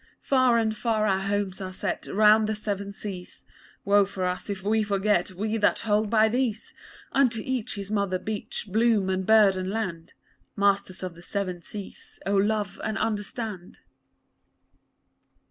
Far and far our homes are set round the Seven Seas; Woe for us if we forget, we that hold by these! Unto each his mother beach, bloom and bird and land Masters of the Seven Seas, oh, love and understand.